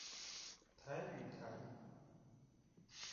台語台